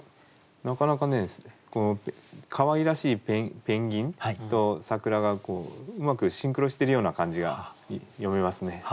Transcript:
なかなかねかわいらしいペンギンと桜がうまくシンクロしてるような感じが読めますね。